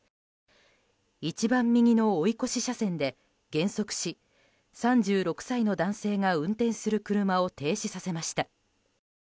一番右の追い越し車線で減速し３６歳の男性が運転する車を停止させました。